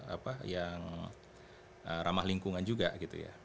apa yang ramah lingkungan juga gitu ya